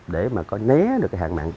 để mà có né được cái hàng mạng